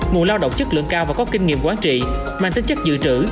nguồn lao động chất lượng cao và có kinh nghiệm quán trị mang tính chất dự trữ